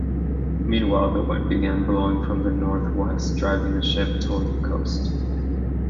Meanwhile, the wind began blowing from the northwest, driving the ship toward the coast.